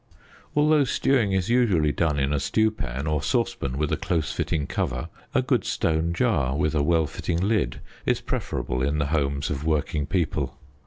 Although stewing is usually done in a stewpan or saucepan with a close fitting cover, a good stone jar, with a well fitting lid, is prefer able in the homes of working people.